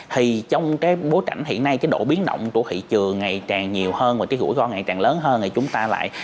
thì trong cái bối cảnh hiện nay cái độ biến động của thị trường ngày càng nhiều hơn và cái rủi ro ngày càng lớn hơn thì chúng ta lại